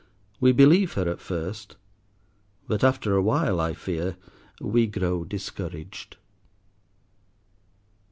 We believe her at first. But after a while, I fear, we grow discouraged.